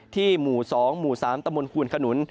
ที่หมู่๒หมู่๓ตามลฮู่นขนุน